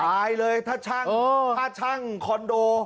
ตายเลยถ้าช่างคอนโด